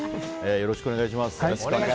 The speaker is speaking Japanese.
よろしくお願いします。